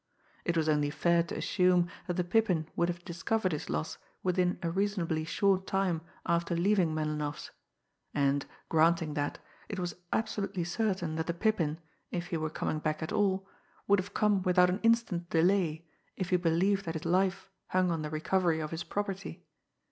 It was only fair to assume that the Pippin would have discovered his loss within a reasonably short time after leaving Melinoff's; and, granting that, it was absolutely certain that the Pippin, if he were coming back at all, would have come without an instant's delay if he believed that his life hung on the recovery of his property.